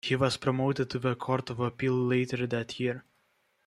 He was promoted to the Court of Appeal later that year.